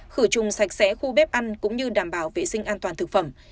khử trùng sạch sẽ khu bếp ăn cũng như đảm bảo vệ sinh an toàn thực phẩm